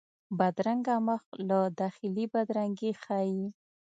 بدرنګه مخ له داخلي بدرنګي ښيي